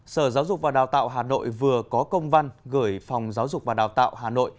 sở giáo dục và đào tạo hà nội vừa có công văn gửi phòng giáo dục và đào tạo hà nội